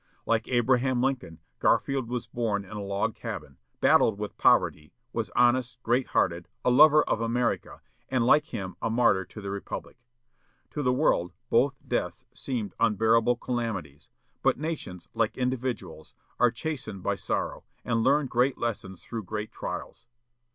Like Abraham Lincoln, Garfield was born in a log cabin, battled with poverty, was honest, great hearted, a lover of America, and, like him, a martyr to the republic. To the world both deaths seemed unbearable calamities, but nations, like individuals, are chastened by sorrow, and learn great lessons through great trials.